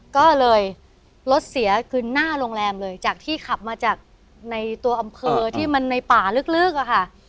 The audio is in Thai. ก็เลยรถเสียคือหน้าโรงแรมเลยจากที่ขับมาจากในตัวอำเภอที่มันในป่าลึกอะค่ะ